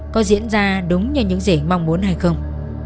có diễn ra đúng như những gì mong muốn hay không